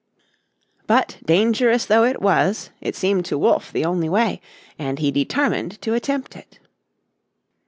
But dangerous though it was it seemed to Wolfe the only way, and he determined to attempt it.